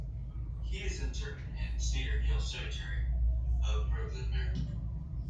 He is interred in Cedar Hill Cemetery of Brooklyn, Maryland.